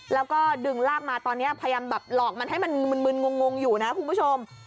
แล้วก็ดึงลากมาตอนนี้พยายามแบบหลอกมันให้มันมึนงงอยู่นะคุณผู้ชม